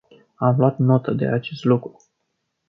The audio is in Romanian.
Am luat notă de acest lucru.